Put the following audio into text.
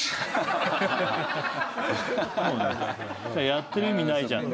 やってる意味ないじゃん。